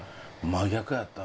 真逆やった。